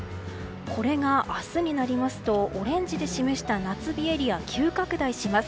これが明日になりますとオレンジで示した夏日エリア急拡大します。